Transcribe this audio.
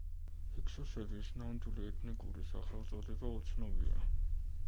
ჰიქსოსების ნამდვილი ეთნიკური სახელწოდება უცნობია.